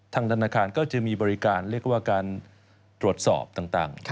ธนาคารก็จะมีบริการเรียกว่าการตรวจสอบต่าง